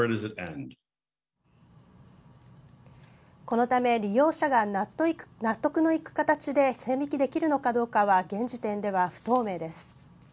このため利用者が納得のいく形で線引きできるのかどうかは現時点では不透明です。